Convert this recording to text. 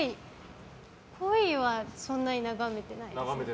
鯉はそんなに眺めてないですね。